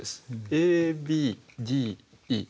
ＡＢＤＥ。